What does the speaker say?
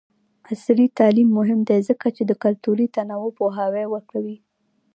عصري تعلیم مهم دی ځکه چې د کلتوري تنوع پوهاوی ورکوي.